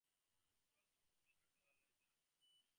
It grossed almost a million dollars less at the box office.